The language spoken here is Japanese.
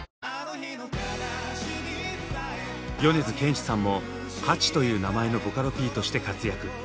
米津玄師さんもハチという名前のボカロＰとして活躍。